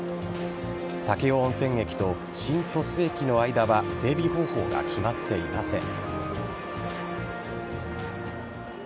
武雄温泉駅と新鳥栖駅の間は整備方法が決まっていません。